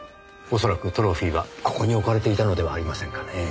恐らくトロフィーはここに置かれていたのではありませんかねぇ。